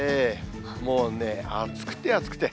もうね、暑くて暑くて。